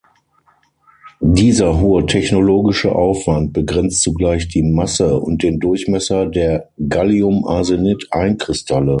Dieser hohe technologische Aufwand begrenzt zugleich die Masse und den Durchmesser der Galliumarsenid-Einkristalle.